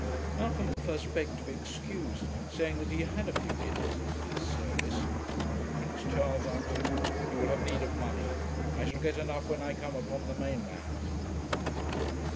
Malcolm at first begged to be excused, saying, that he had a few guineas at his service; but Prince Charles answered, 'You will have need of money. I shall get enough when I come upon the main land.'